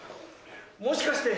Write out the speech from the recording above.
もしかして。